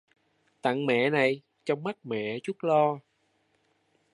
Tặng mẹ này trong mắt mẹ chút lo